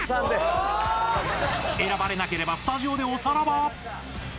選ばれなければスタジオでおさらば。